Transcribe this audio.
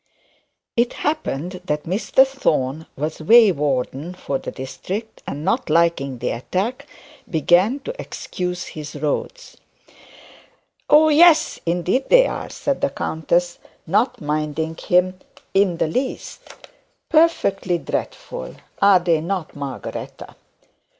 It happened that Mr Thorne was way warden for the district, and not liking the attack, began to excuse his roads. 'Oh yes, indeed they are,' said the countess, not minding him in the least, 'perfectly dreadful; are they not, Margaretta?